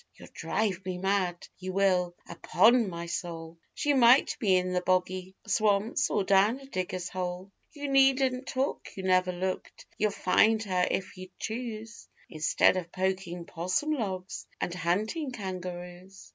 You'll drive me mad, You will, upon my soul! She might be in the boggy swamps Or down a digger's hole. You needn't talk, you never looked You'd find her if you'd choose, Instead of poking 'possum logs And hunting kangaroos.